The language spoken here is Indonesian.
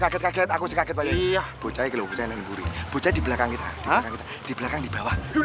kaget kaget aku kaget lagi ya gue jadi belakang kita di belakang dibawah